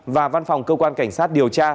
và văn phòng cơ quan cảnh sát điều tra